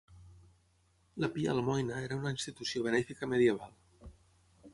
La Pia Almoina era una institució benèfica medieval.